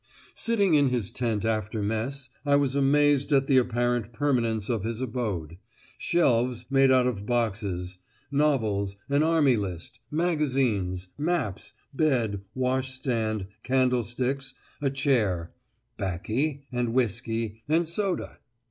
Sitting in his tent after Mess, I was amazed at the apparent permanence of his abode; shelves, made out of boxes; novels, an army list, magazines, maps; bed, washstand, candlesticks, a chair; baccy, and whisky and soda!